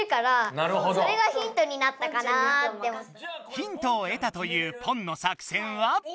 ヒントをえたというポンの作戦は？